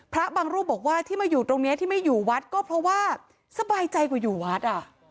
พระบางรูปบอกว่าที่มาอยู่ตรงนี้ที่ไม่อยู่วัดก็เพราะว่าสบายใจกว่าอยู่วัดอ่ะ